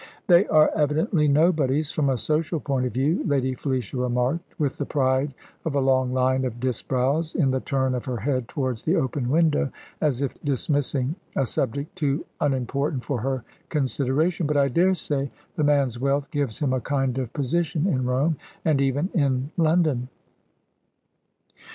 "They are evidently nobodies, from a social point of view," Lady Felicia remarked, with the pride of a long line of Disbrowes in the turn of her head towards the open window, as if dismissing a subject too unimportant for her consideration; "but I dare say the man's wealth gives him a kind of position in Rome, and even in London."